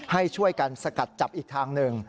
ให้ช่วยกันสกัดจับอีกทางหนึ่ง